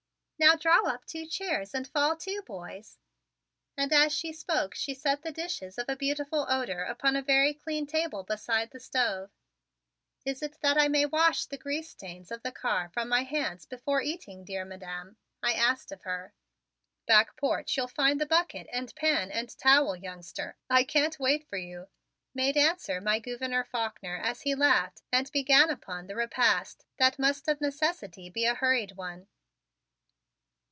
Now draw up two chairs and fall to, boys," and as she spoke she set the dishes of a beautiful odor upon a very clean table beside the stove. "Is it that I may wash the grease stains of the car from my hands before eating, dear Madam?" I asked of her. "Back porch, you'll find the bucket and pan and towel, youngster. I can't wait for you," made answer my Gouverneur Faulkner as he laughed and began upon the repast that must of necessity be a hurried one.